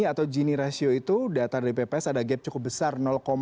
atau gini ratio itu data dari bps ada gap cukup besar